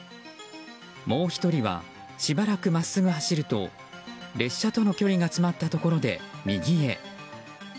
もう１人はしばらく真っすぐ走ると列車との距離が詰まったところで右へ。